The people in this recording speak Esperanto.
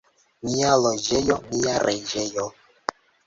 Mia loĝejo — mia reĝejo.